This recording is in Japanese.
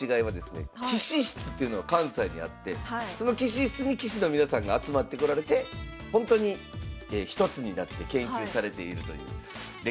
棋士室というのが関西にあってその棋士室に棋士の皆さんが集まってこられてほんとに一つになって研究されているという歴史がございます。